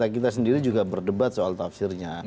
kita sendiri juga berdebat soal tafsirnya